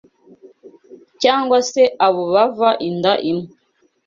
cyangwa se abo bava inda imwe